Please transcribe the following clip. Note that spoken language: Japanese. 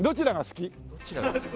どちらが好き？